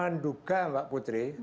saya menduga mbak putri